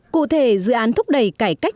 cụ thể dự án thúc đẩy cải cách